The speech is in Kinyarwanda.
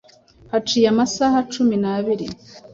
Haciye amasaha cumi nabiri